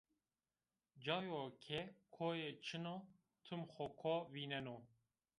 Cayo ke koyê çin o, tum xo ko vîneno